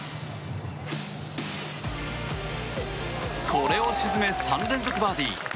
これを沈め３連続バーディー。